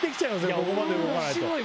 ここまで動かないと。